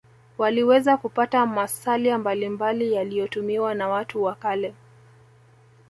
waliweza kupata masalia mbalimbali yaliyotumiwa na watu wa kale